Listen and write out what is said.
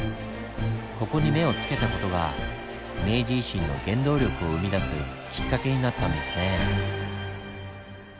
ここに目をつけた事が明治維新の原動力を生み出すきっかけになったんですねぇ。